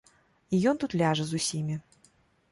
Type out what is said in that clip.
І ён тут ляжа з усімі.